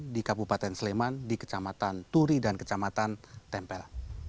di kabupaten sleman di kecamatan turi dan kecamatan tempel